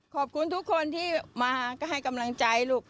ขอบคุณทุกคนที่มาก็ให้กำลังใจลูก